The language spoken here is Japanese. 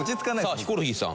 さあヒコロヒーさん。